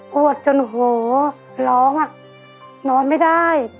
ปวดจนโหร้องนอนไม่ได้